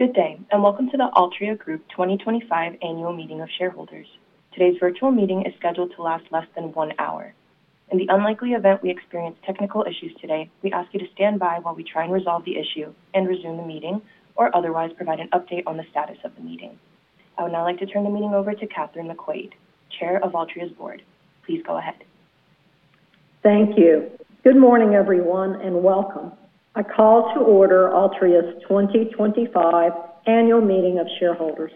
Good day, and welcome to the Altria Group 2025 Annual Meeting Of Shareholders. Today's virtual meeting is scheduled to last less than one hour. In the unlikely event we experience technical issues today, we ask you to stand by while we try and resolve the issue and resume the meeting, or otherwise provide an update on the status of the meeting. I would now like to turn the meeting over to Kathryn McQuade, Chair of Altria's Board. Please go ahead. Thank you. Good morning, everyone, and welcome. I call to order Altria's 2025 annual meeting of shareholders.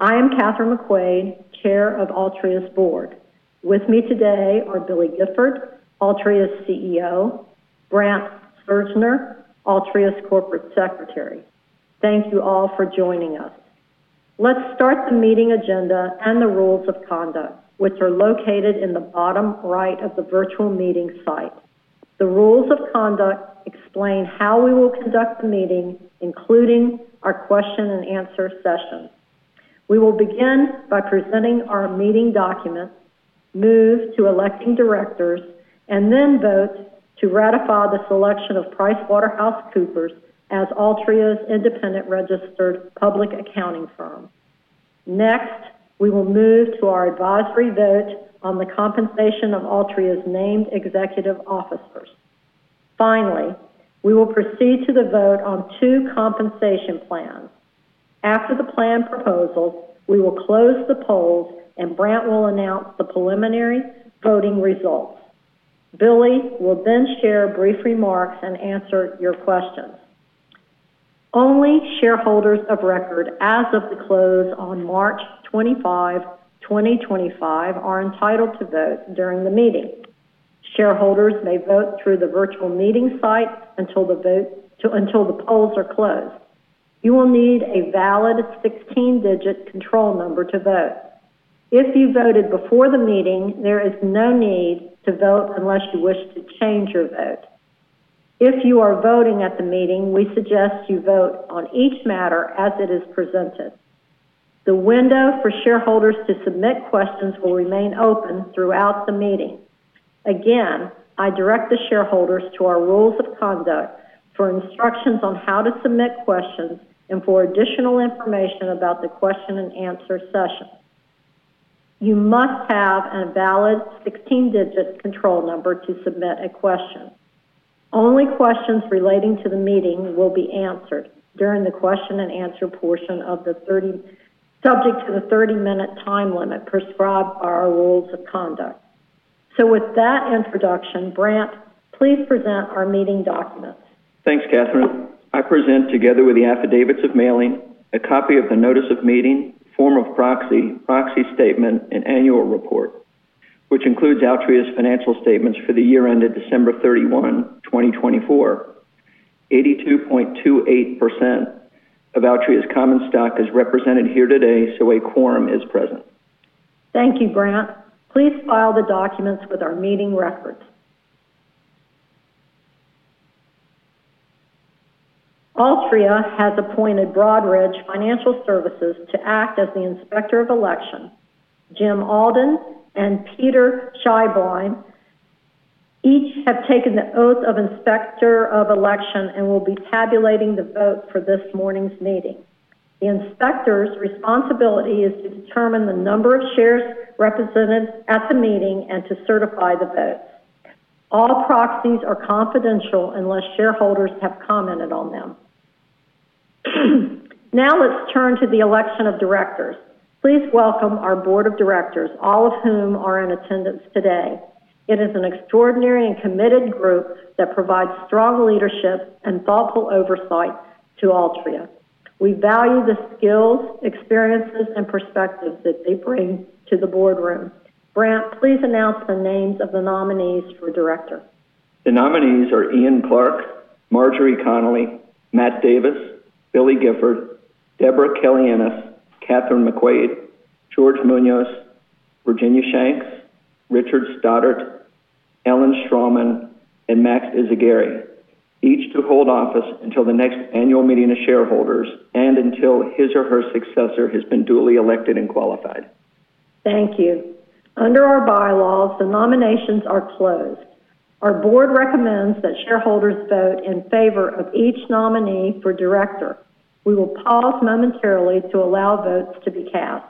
I am Kathryn McQuade, Chair of Altria's Board. With me today are Billy Gifford, Altria's CEO; Brandt Surgner, Altria's Corporate Secretary. Thank you all for joining us. Let's start the meeting agenda and the Rules of Conduct, which are located in the bottom right of the virtual meeting site. The Rules of Conduct explain how we will conduct the meeting, including our question-and-answer session. We will begin by presenting our meeting document, move to electing directors, and then vote to ratify the selection of PricewaterhouseCoopers as Altria's independent registered public accounting firm. Next, we will move to our advisory vote on the compensation of Altria's named Executive Officers. Finally, we will proceed to the vote on two compensation plans. After the plan proposal, we will close the polls, and Brandt will announce the preliminary voting results. Billy will then share brief remarks and answer your questions. Only shareholders of record, as of the close on March 25, 2025, are entitled to vote during the meeting. Shareholders may vote through the virtual meeting site until the polls are closed. You will need a valid 16-digit control number to vote. If you voted before the meeting, there is no need to vote unless you wish to change your vote. If you are voting at the meeting, we suggest you vote on each matter as it is presented. The window for shareholders to submit questions will remain open throughout the meeting. Again, I direct the shareholders to our Rules of Conduct for instructions on how to submit questions and for additional information about the question-and-answer session. You must have a valid 16-digit control number to submit a question. Only questions relating to the meeting will be answered during the question-and-answer portion of the meeting, subject to the 30-minute time limit prescribed by our Rules of Conduct. With that introduction, Brandt, please present our meeting documents. Thanks, Kathryn. I present, together with the affidavits of mailing, a copy of the notice of meeting, form of proxy, proxy statement, and annual report, which includes Altria's financial statements for the year ended December 31, 2024. 82.28% of Altria's common stock is represented here today, so a quorum is present. Thank you, Brandt. Please file the documents with our meeting records. Altria has appointed Broadridge Financial Services to act as the inspector of election. Jim Alden and Peter Scheiblein each have taken the Oath of Inspector of Election and will be tabulating the vote for this morning's meeting. The inspector's responsibility is to determine the number of shares represented at the meeting and to certify the votes. All proxies are confidential unless shareholders have commented on them. Now let's turn to the election of Directors. Please welcome our board of Directors, all of whom are in attendance today. It is an extraordinary and committed group that provides strong leadership and thoughtful oversight to Altria. We value the skills, experiences, and perspectives that they bring to the boardroom. Brandt, please announce the names of the nominees for director. The nominees are Ian Clark, Marjorie Connelly, Matt Davis, Billy Gifford, Debra Kelly-Ennis, Kathryn McQuade, George Munoz, Virginia Shanks, Richard Stoddart, Ellen Straglman, and Max Yeaguirre, each to hold office until the next annual meeting of shareholders and until his or her successor has been duly elected and qualified. Thank you. Under our bylaws, the nominations are closed. Our board recommends that shareholders vote in favor of each nominee for director. We will pause momentarily to allow votes to be cast.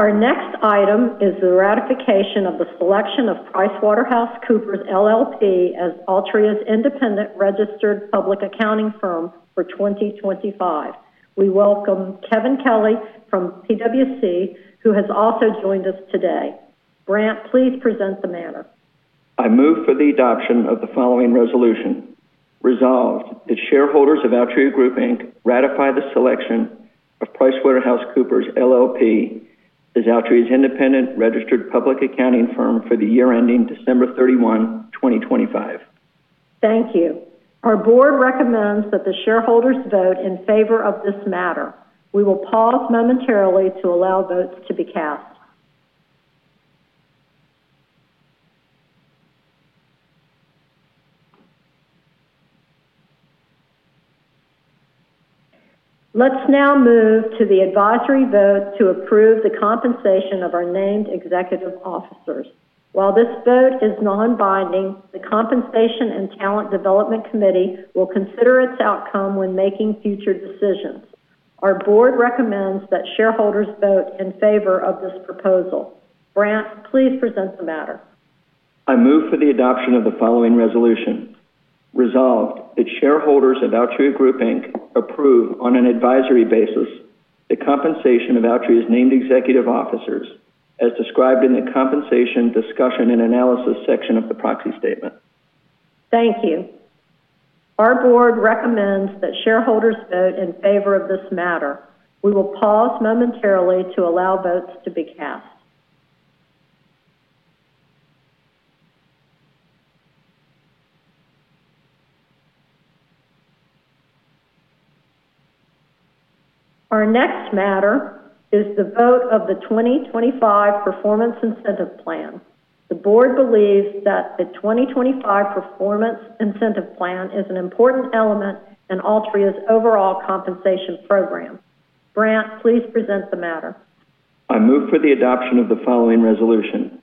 Our next item is the ratification of the selection of PricewaterhouseCoopers LLP as Altria's independent registered public accounting firm for 2025. We welcome Kevin Kelly from PwC, who has also joined us today. Brandt, please present the manner. I move for the adoption of the following resolution. Resolved that shareholders of Altria Group Inc ratify the selection of PricewaterhouseCoopers LLP as Altria's independent registered public accounting firm for the year ending December 31, 2025. Thank you. Our board recommends that the shareholders vote in favor of this matter. We will pause momentarily to allow votes to be cast. Let's now move to the advisory vote to approve the compensation of our named executive officers. While this vote is non-binding, the Compensation and Talent Development Committee will consider its outcome when making future decisions. Our board recommends that shareholders vote in favor of this proposal. Brandt, please present the matter. I move for the adoption of the following resolution. Resolved that shareholders of Altria Group Inc approve on an advisory basis the compensation of Altria's named executive officers as described in the compensation discussion and analysis section of the proxy statement. Thank you. Our board recommends that shareholders vote in favor of this matter. We will pause momentarily to allow votes to be cast. Our next matter is the vote of the 2025 Performance Incentive Plan. The board believes that the 2025 Performance Incentive Plan is an important element in Altria's Overall Compensation Program. Brandt, please present the matter. I move for the adoption of the following resolution.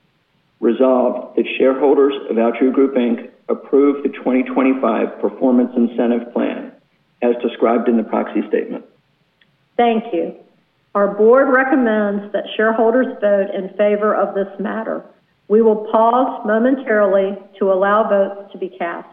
Resolved that shareholders of Altria Group approve the 2025 Performance Incentive Plan as described in the proxy statement. Thank you. Our board recommends that shareholders vote in favor of this matter. We will pause momentarily to allow votes to be cast.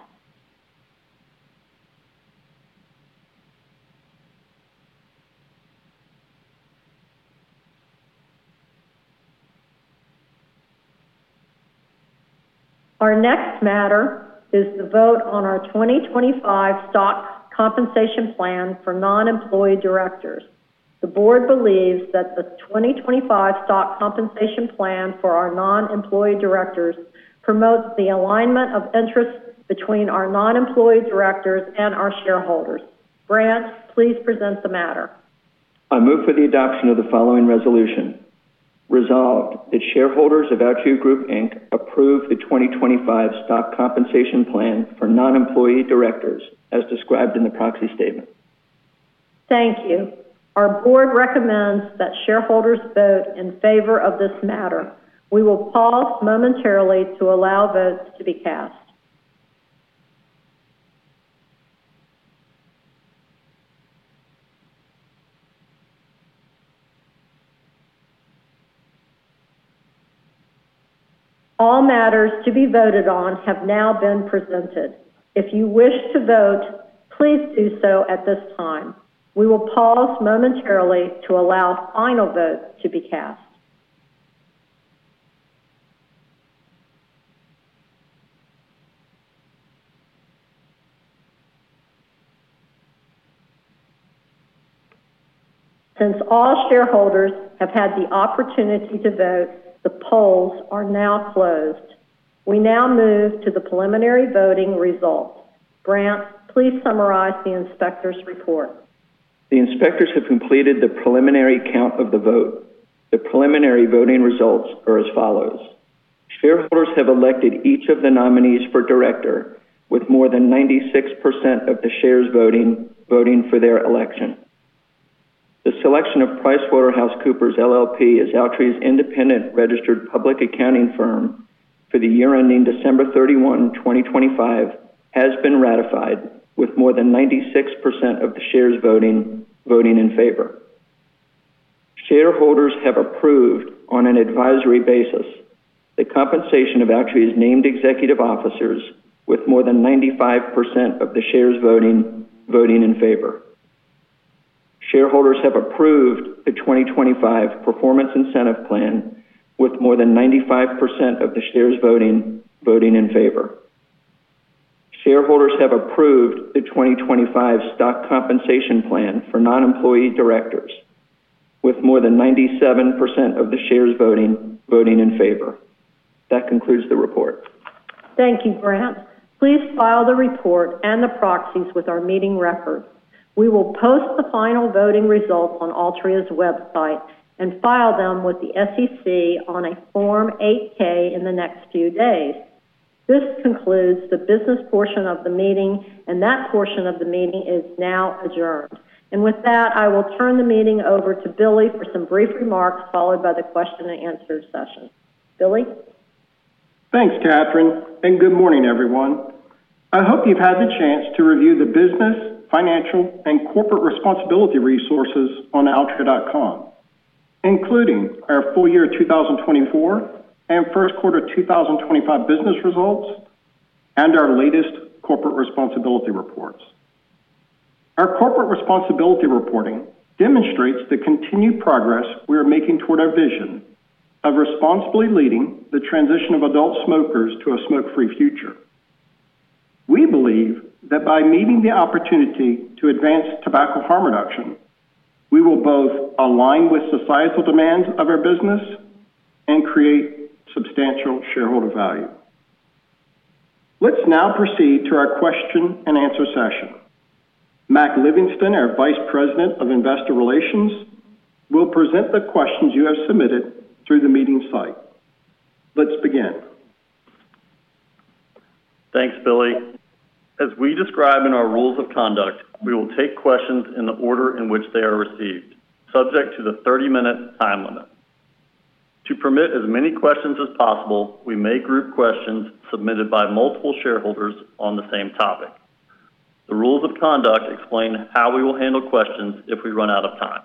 Our next matter is the vote on our 2025 stock compensation plan for non-employed directors. The board believes that the 2025 Stock Compensation Plan for our non-employed directors promotes the alignment of interests between our non-employed directors and our shareholders. Brandt, please present the matter. I move for the adoption of the following resolution. Resolved that shareholders of Altria Group approve the 2025 Stock Compensation Plan for non-employee directors as described in the proxy statement. Thank you. Our board recommends that shareholders vote in favor of this matter. We will pause momentarily to allow votes to be cast. All matters to be voted on have now been presented. If you wish to vote, please do so at this time. We will pause momentarily to allow final votes to be cast. Since all shareholders have had the opportunity to vote, the polls are now closed. We now move to the preliminary voting results. Brandt, please summarize the inspector's report. The inspectors have completed the preliminary count of the vote. The preliminary voting results are as follows. Shareholders have elected each of the nominees for director with more than 96% of the shares voting for their election. The selection of PricewaterhouseCoopers LLP as Altria's independent registered public accounting firm for the year ending December 31, 2025, has been ratified with more than 96% of the shares voting in favor. Shareholders have approved on an advisory basis the compensation of Altria's named executive officers with more than 95% of the shares voting in favor. Shareholders have approved the 2025 performance incentive plan with more than 95% of the shares voting in favor. Shareholders have approved the 2025 stock compensation plan for non-employee directors with more than 97% of the shares voting in favor. That concludes the report. Thank you, Brandt. Please file the report and the proxies with our meeting records. We will post the final voting results on Altria's website and file them with the SEC on a Form 8-K in the next few days. This concludes the business portion of the meeting, and that portion of the meeting is now adjourned. With that, I will turn the meeting over to Billy for some brief remarks, followed by the question-and-answer session. Billy. Thanks, Kathryn, and good morning, everyone. I hope you've had the chance to review the business, financial, and corporate responsibility resources on altria.com, including our full year 2024 and first quarter 2025 business results and our latest corporate responsibility reports. Our corporate responsibility reporting demonstrates the continued progress we are making toward our vision of responsibly leading the transition of adult smokers to a smoke-free future. We believe that by meeting the opportunity to Advance Tobacco Harm Reduction, we will both align with societal demands of our business and create substantial shareholder value. Let's now proceed to our question-and-answer session. Mac Livingston, our Vice President of Investor Relations, will present the questions you have submitted through the meeting site. Let's begin. Thanks, Billy. As we describe in our Rules of Conduct, we will take questions in the order in which they are received, subject to the 30-minute time limit. To permit as many questions as possible, we may group questions submitted by multiple shareholders on the same topic. The Rules of Conduct explain how we will handle questions if we run out of time.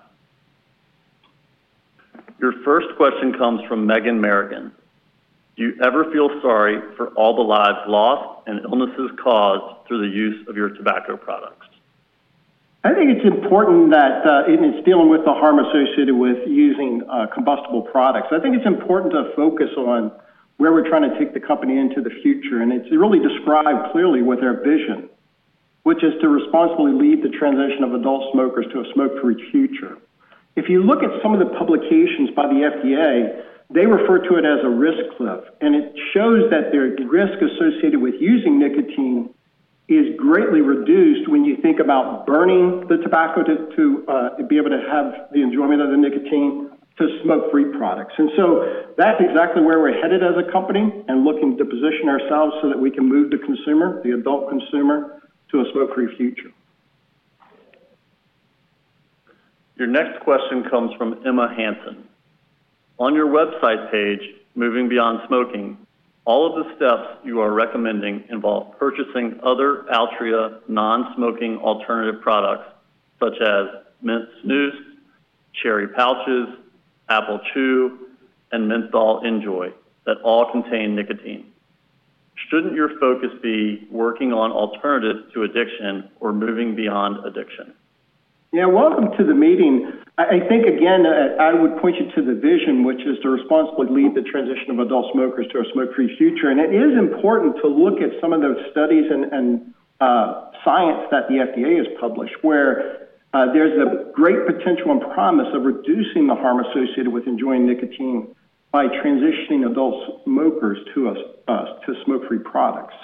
Your first question comes from Megan Marroquin. Do you ever feel sorry for all the lives lost and illnesses caused through the use of your tobacco products? I think it's important that in dealing with the harm associated with using combustible products, I think it's important to focus on where we're trying to take the company into the future. It's really described clearly with our vision, which is to responsibly lead the transition of adult smokers to a smoke-free future. If you look at some of the publications by the FDA, they refer to it as a Risk cliff, and it shows that the risk associated with using nicotine is greatly reduced when you think about burning the tobacco to be able to have the enjoyment of the nicotine to smoke-free products. That's exactly where we're headed as a company and looking to position ourselves so that we can move the consumer, the adult consumer, to a smoke-free future. Your next question comes from Emma Hanson. On your website page, Moving Beyond Smoking, all of the steps you are recommending involve purchasing other Altria non-smoking alternative products such as Mint Snooze, Cherry Pouches, Apple Chew, and Menthol Enjoy that all contain nicotine. Shouldn't your focus be working on alternatives to addiction or moving beyond addiction? Yeah, welcome to the meeting. I think, again, I would point you to the vision, which is to responsibly lead the transition of adult smokers to a smoke-free future. It is important to look at some of those studies and science that the FDA has published where there's a great potential and promise of reducing the harm associated with enjoying nicotine by transitioning adult smokers to smoke-free products.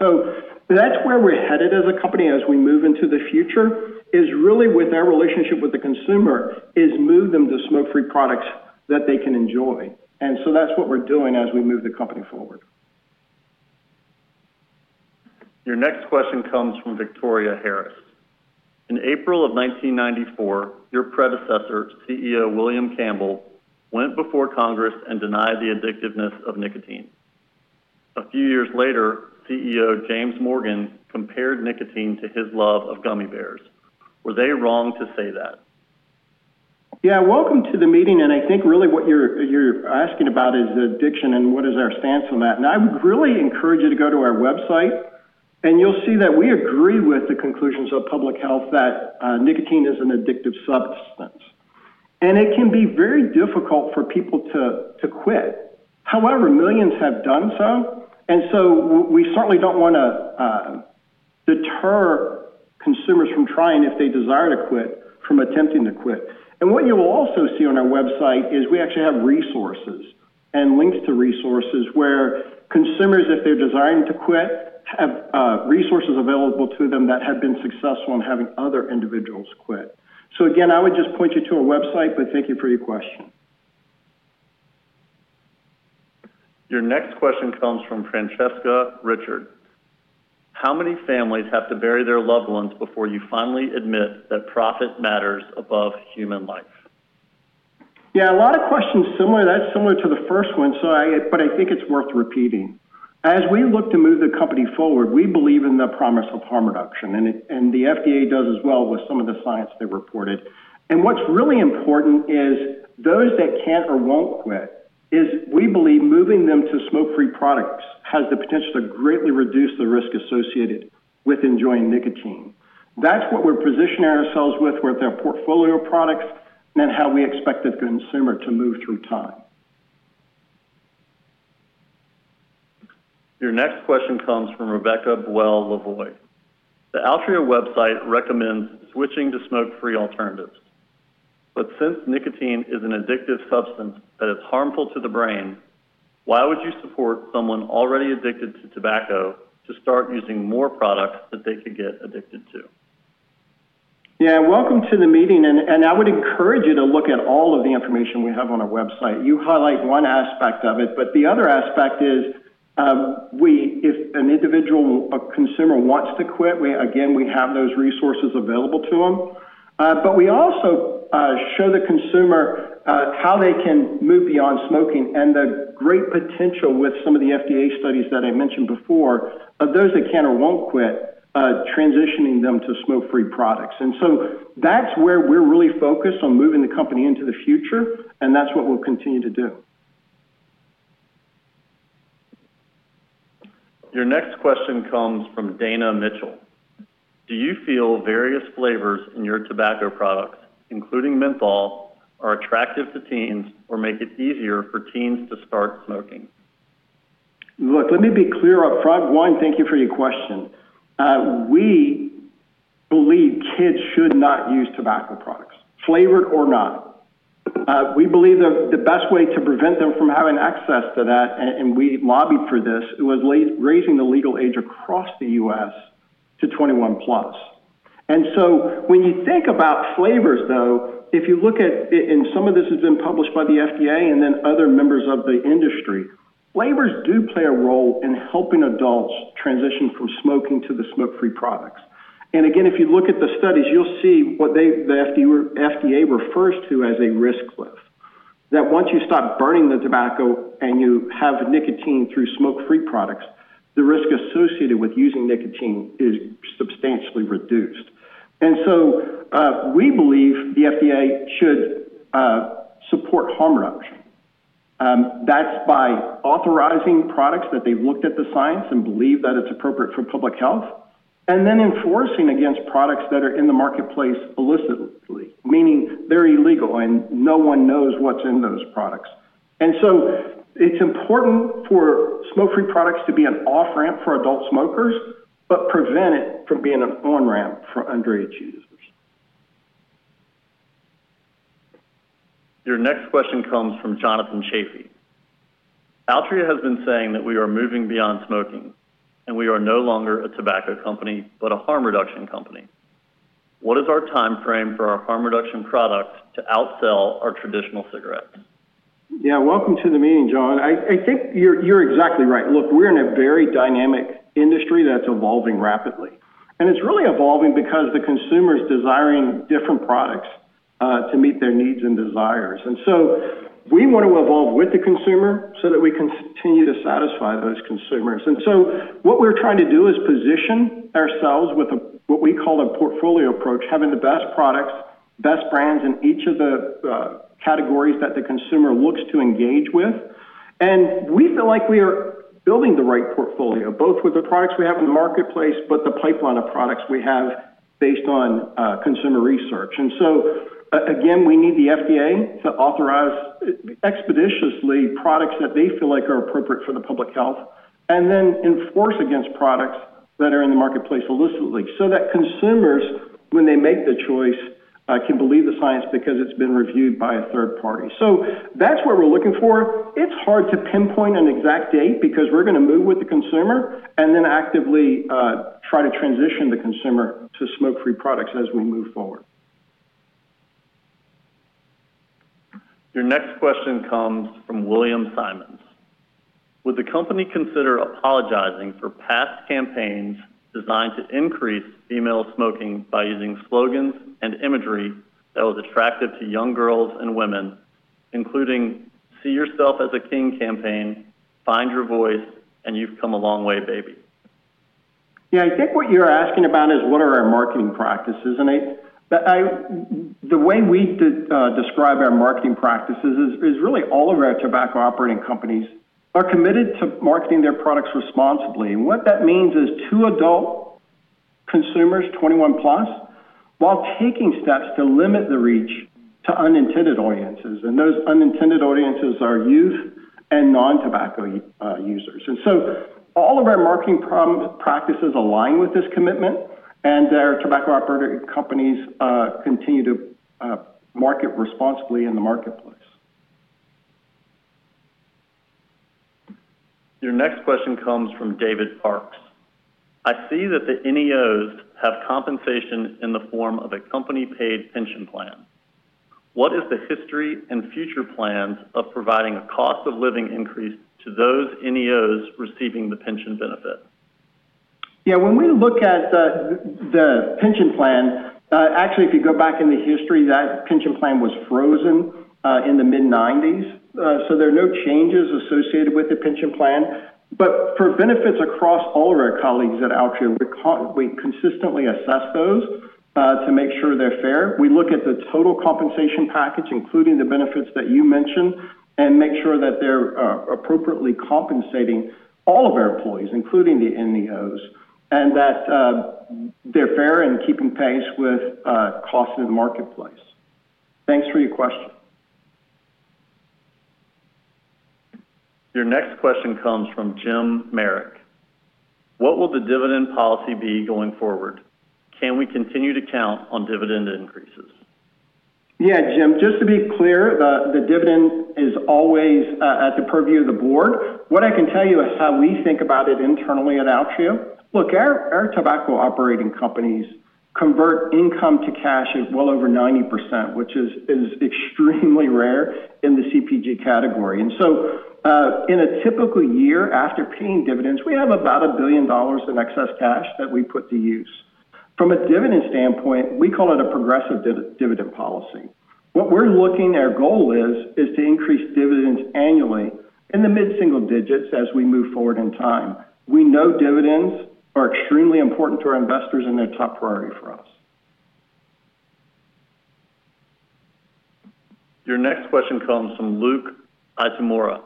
That's where we're headed as a company as we move into the future, is really with our relationship with the consumer, is move them to smoke-free products that they can enjoy. That's what we're doing as we move the company forward. Your next question comes from Victoria Harris. In April of 1994, your predecessor, CEO William Campbell, went before Congress and denied the addictiveness of nicotine. A few years later, CEO James Morgan compared nicotine to his love of gummy bears. Were they wrong to say that? Yeah, welcome to the meeting. I think really what you're asking about is addiction and what is our stance on that. I would really encourage you to go to our website, and you'll see that we agree with the conclusions of public health that nicotine is an addictive substance. It can be very difficult for people to quit. However, millions have done so. We certainly don't want to deter consumers from trying, if they desire to quit, from attempting to quit. What you will also see on our website is we actually have resources and links to resources where consumers, if they're desiring to quit, have resources available to them that have been successful in having other individuals quit. I would just point you to our website, but thank you for your question. Your next question comes from Francesca Richard. How many families have to bury their loved ones before you finally admit that profit matters above human life? Yeah, a lot of questions similar. That's similar to the first one, but I think it's worth repeating. As we look to move the company forward, we believe in the promise of harm reduction, and the FDA does as well with some of the science they reported. What's really important is those that can't or won't quit, is we believe moving them to smoke-free products has the potential to greatly reduce the risk associated with enjoying nicotine. That's what we're positioning ourselves with with our portfolio of products and then how we expect the consumer to move through time. Your next question comes from Rebecca Bwell-Lavoie. The Altria website recommends switching to smoke-free alternatives. Since nicotine is an addictive substance that is harmful to the brain, why would you support someone already addicted to tobacco to start using more products that they could get addicted to? Yeah, welcome to the meeting. I would encourage you to look at all of the information we have on our website. You highlight one aspect of it, but the other aspect is if an individual, a consumer, wants to quit, again, we have those resources available to them. We also show the consumer how they can move beyond smoking and the great potential with some of the FDA studies that I mentioned before of those that can't or won't quit, transitioning them to smoke-free products. That is where we're really focused on moving the company into the future, and that's what we'll continue to do. Your next question comes from Dana Mitchell. Do you feel various flavors in your tobacco products, including Menthol, are attractive to teens or make it easier for teens to start smoking? Look, let me be clear upfront. One, thank you for your question. We believe kids should not use tobacco products, flavored or not. We believe the best way to prevent them from having access to that, and we lobbied for this, was raising the legal age across the U.S. to 21 plus. When you think about flavors, though, if you look at, and some of this has been published by the FDA and then other members of the industry, flavors do play a role in helping adults transition from smoking to the smoke-free products. If you look at the studies, you will see what the FDA refers to as a Risk cliff, that once you stop burning the tobacco and you have nicotine through smoke-free products, the risk associated with using nicotine is substantially reduced. We believe the FDA should support harm reduction. That's by authorizing products that they've looked at the science and believe that it's appropriate for public health, and then enforcing against products that are in the marketplace illicitly, meaning they're illegal and no one knows what's in those products. It is important for smoke-free products to be an off-ramp for adult smokers, but prevent it from being an on-ramp for underage users. Your next question comes from Jonathan Chafee. Altria has been saying that we are moving beyond smoking and we are no longer a tobacco company, but a harm reduction company. What is our timeframe for our harm reduction products to outsell our traditional cigarettes? Yeah, welcome to the meeting, John. I think you're exactly right. Look, we're in a very dynamic industry that's evolving rapidly. It's really evolving because the consumer is desiring different products to meet their needs and desires. We want to evolve with the consumer so that we continue to satisfy those consumers. What we're trying to do is position ourselves with what we call a portfolio approach, having the best products, best brands in each of the categories that the consumer looks to engage with. We feel like we are building the right portfolio, both with the products we have in the marketplace, but the pipeline of products we have based on consumer research. We need the FDA to authorize expeditiously products that they feel like are appropriate for the public health, and then enforce against products that are in the marketplace illicitly so that consumers, when they make the choice, can believe the science because it has been reviewed by a third party. That is what we are looking for. It is hard to pinpoint an exact date because we are going to move with the consumer and then actively try to transition the consumer to smoke-free products as we move forward. Your next question comes from William Simons. Would the company consider apologizing for past campaigns designed to increase female smoking by using slogans and imagery that was attractive to young girls and women, including "See yourself as a king" campaign, "Find your voice," and "You've come a long way, baby"? Yeah, I think what you're asking about is what are our marketing practices. The way we describe our marketing practices is really all of our tobacco operating companies are committed to marketing their products responsibly. What that means is to adult consumers, 21 plus, while taking steps to limit the reach to unintended audiences. Those unintended audiences are youth and non-tobacco users. All of our marketing practices align with this commitment, and our tobacco operating companies continue to market responsibly in the marketplace. Your next question comes from David Parks. I see that the NEOs have compensation in the form of a company-paid pension plan. What is the history and future plans of providing a cost-of-living increase to those NEOs receiving the pension benefit? Yeah, when we look at the pension plan, actually, if you go back in the history, that pension plan was frozen in the mid-1990s. There are no changes associated with the pension plan. For benefits across all of our colleagues at Altria, we consistently assess those to make sure they're fair. We look at the total compensation package, including the benefits that you mentioned, and make sure that they're appropriately compensating all of our employees, including the NEOs, and that they're fair in keeping pace with costs in the marketplace. Thanks for your question. Your next question comes from Jim Marrick. What will the dividend policy be going forward? Can we continue to count on dividend increases? Yeah, Jim, just to be clear, the dividend is always at the purview of the board. What I can tell you is how we think about it internally at Altria. Look, our tobacco operating companies convert income to cash at well over 90%, which is extremely rare in the CPG category. In a typical year after paying dividends, we have about $1 billion in excess cash that we put to use. From a dividend standpoint, we call it a Progressive Dividend Policy. What we're looking, our goal is, is to increase dividends annually in the mid-single digits as we move forward in time. We know dividends are extremely important to our investors and they're top priority for us. Your next question comes from Luke Itemora.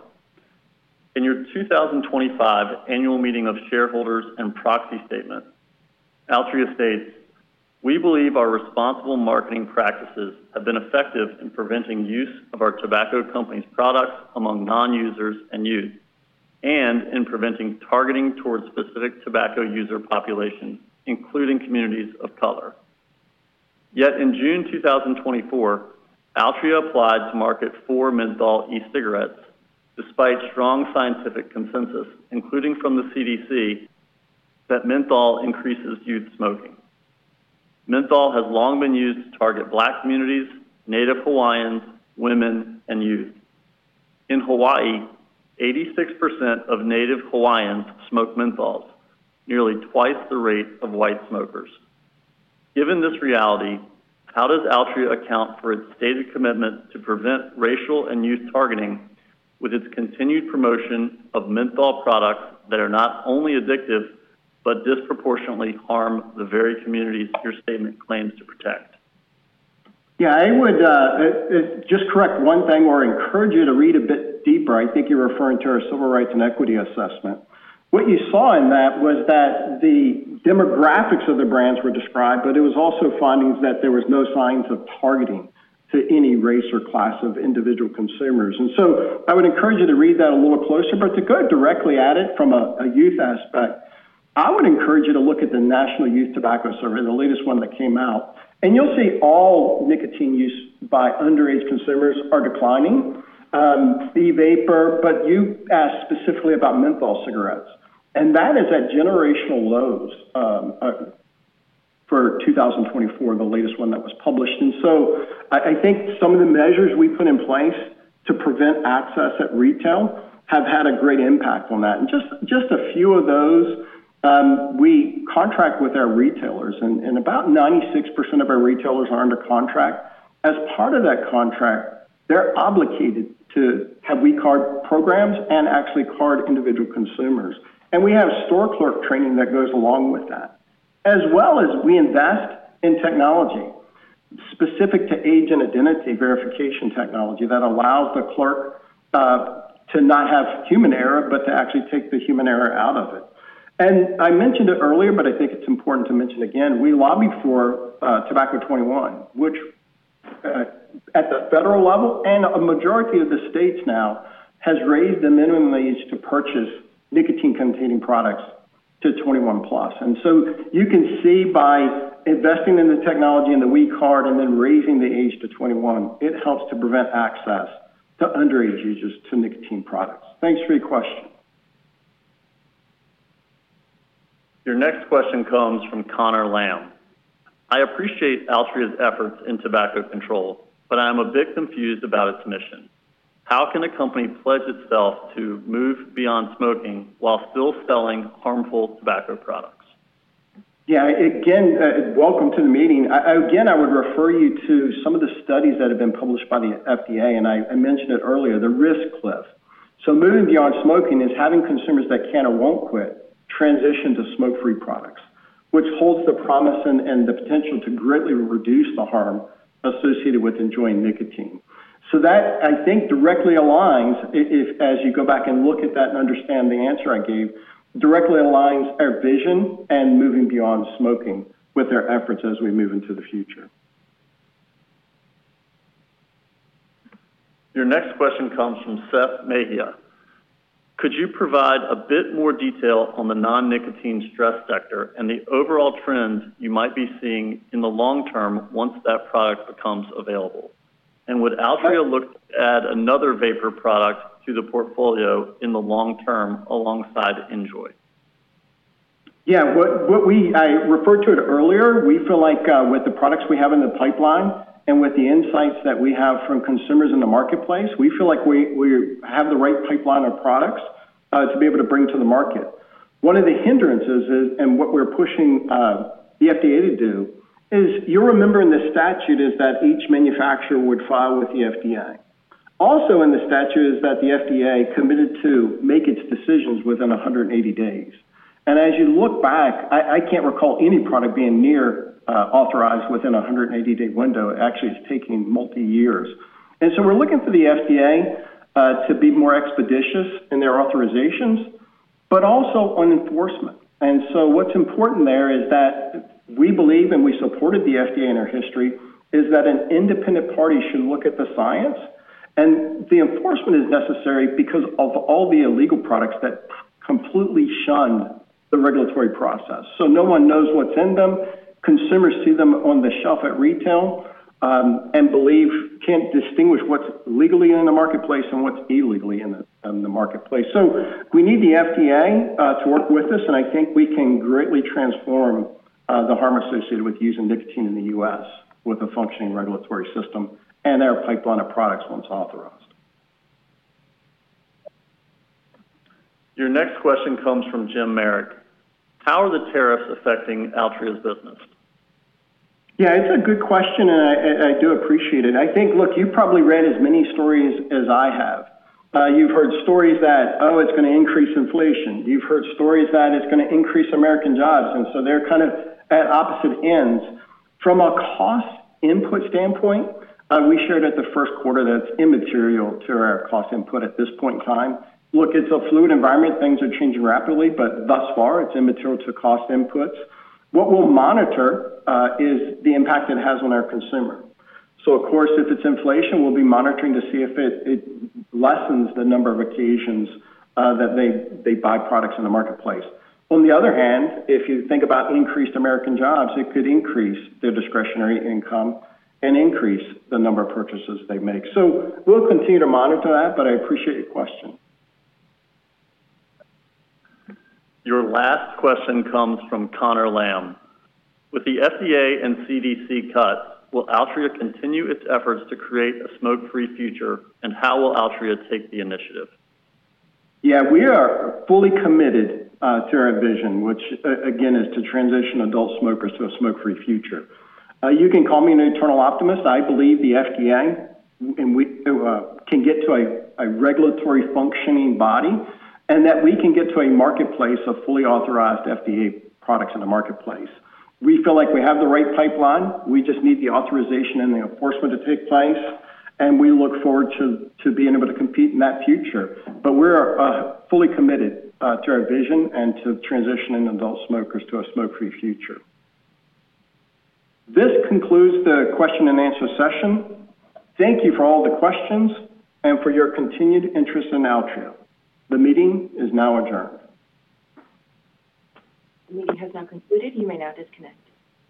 In your 2025 annual meeting of shareholders and proxy statement, Altria states, "We believe our responsible marketing practices have been effective in preventing use of our tobacco company's products among non-users and youth, and in preventing targeting towards specific tobacco user populations, including communities of color." Yet in June 2024, Altria applied to market four Menthol e-cigarettes despite strong scientific consensus, including from the CDC, that Menthol increases youth smoking. Menthol has long been used to target Black communities, Native Hawaiians, women, and youth. In Hawaii, 86% of Native Hawaiians smoke Menthol, nearly twice the rate of White smokers. Given this reality, how does Altria account for its stated commitment to prevent racial and youth targeting with its continued promotion of Menthol products that are not only addictive, but disproportionately harm the very communities your statement claims to protect? Yeah, I would just correct one thing or encourage you to read a bit deeper. I think you're referring to our civil rights and equity assessment. What you saw in that was that the demographics of the brands were described, but it was also findings that there were no signs of targeting to any race or class of individual consumers. I would encourage you to read that a little closer. To go directly at it from a youth aspect, I would encourage you to look at the National Youth Tobacco Survey, the latest one that came out. You'll see all nicotine use by underage consumers are declining. Be vapor, but you asked specifically about Menthol cigarettes. That is at generational lows for 2024, the latest one that was published. I think some of the measures we put in place to prevent access at retail have had a great impact on that. Just a few of those, we contract with our retailers. About 96% of our retailers are under contract. As part of that contract, they are obligated to have we card programs and actually card individual consumers. We have store clerk training that goes along with that, as well as we invest in technology specific to age and identity verification technology that allows the clerk to not have human error, but to actually take the human error out of it. I mentioned it earlier, but I think it is important to mention again, we lobbied for Tobacco 21, which at the federal level and a majority of the states now has raised the minimum age to purchase nicotine-containing products to 21 plus. You can see by investing in the technology and the We Card and then raising the age to 21, it helps to prevent access to underage users to nicotine products. Thanks for your question. Your next question comes from Connor Lam. I appreciate Altria's efforts in tobacco control, but I'm a bit confused about its mission. How can a company pledge itself to move beyond smoking while still selling harmful tobacco products? Yeah, again, welcome to the meeting. Again, I would refer you to some of the studies that have been published by the FDA, and I mentioned it earlier, the Risk cliff. Moving beyond smoking is having consumers that can't or won't quit transition to smoke-free products, which holds the promise and the potential to greatly reduce the harm associated with enjoying nicotine. That, I think, directly aligns as you go back and look at that and understand the answer I gave, directly aligns our vision and moving beyond smoking with our efforts as we move into the future. Your next question comes from Seth Magia. Could you provide a bit more detail on the non-nicotine stress factor and the overall trends you might be seeing in the long term once that product becomes available? Would Altria look to add another vapor product to the portfolio in the long term alongside NJOY? Yeah, what we referred to it earlier, we feel like with the products we have in the pipeline and with the insights that we have from consumers in the marketplace, we feel like we have the right pipeline of products to be able to bring to the market. One of the hindrances and what we're pushing the FDA to do is you'll remember in the statute is that each manufacturer would file with the FDA. Also in the statute is that the FDA committed to make its decisions within 180 days. As you look back, I can't recall any product being near authorized within a 180-day window. It actually is taking multi-years. We are looking for the FDA to be more expeditious in their authorizations, but also on enforcement. What is important there is that we believe and we supported the FDA in our history is that an independent party should look at the science. The enforcement is necessary because of all the illegal products that completely shunned the regulatory process. No one knows what is in them. Consumers see them on the shelf at retail and believe they cannot distinguish what is legally in the marketplace and what is illegally in the marketplace. We need the FDA to work with us. I think we can greatly transform the harm associated with using nicotine in the U.S. with a functioning regulatory system and our pipeline of products once authorized. Your next question comes from Jim Marrick. How are the tariffs affecting Altria's business? Yeah, it's a good question. I do appreciate it. I think, look, you've probably read as many stories as I have. You've heard stories that, oh, it's going to increase inflation. You've heard stories that it's going to increase American jobs. They are kind of at opposite ends. From a cost input standpoint, we shared at the first quarter that it's immaterial to our cost input at this point in time. Look, it's a fluid environment. Things are changing rapidly, but thus far, it's immaterial to cost inputs. What we'll monitor is the impact it has on our consumer. Of course, if it's inflation, we'll be monitoring to see if it lessens the number of occasions that they buy products in the marketplace. On the other hand, if you think about increased American jobs, it could increase their discretionary income and increase the number of purchases they make. We will continue to monitor that, but I appreciate your question. Your last question comes from Connor Lam. With the FDA and CDC cuts, will Altria continue its efforts to create a smoke-free future? How will Altria take the initiative? Yeah, we are fully committed to our vision, which again is to transition adult smokers to a smoke-free future. You can call me an eternal optimist. I believe the FDA can get to a regulatory functioning body and that we can get to a marketplace of fully authorized FDA products in the marketplace. We feel like we have the right pipeline. We just need the authorization and the enforcement to take place. We look forward to being able to compete in that future. We are fully committed to our vision and to transitioning adult smokers to a smoke-free future. This concludes the question and answer session. Thank you for all the questions and for your continued interest in Altria. The meeting is now adjourned. The meeting has now concluded. You may now disconnect.